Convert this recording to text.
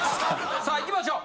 さあいきましょう。